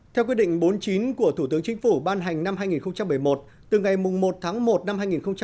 theo quyết định bốn mươi chín của thủ tướng chính phủ ban hành năm hai nghìn một mươi một từ ngày một tháng một năm hai nghìn một mươi chín